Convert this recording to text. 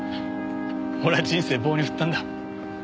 俺は人生を棒に振ったんだ。